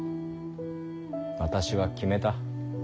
私は決めた。